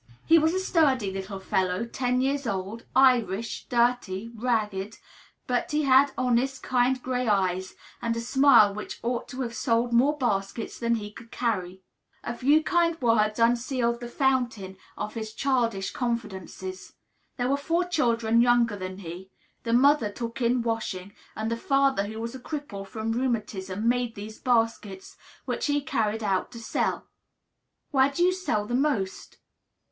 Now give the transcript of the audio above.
He was a sturdy little fellow, ten years old, Irish, dirty, ragged; but he had honest, kind gray eyes, and a smile which ought to have sold more baskets than he could carry. A few kind words unsealed the fountain of his childish confidences. There were four children younger than he; the mother took in washing, and the father, who was a cripple from rheumatism, made these baskets, which he carried about to sell. "Where do you sell the most?"